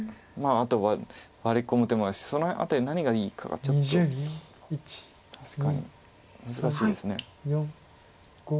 あとはワリ込む手もあるしその辺り何がいいかがちょっと確かに難しいです。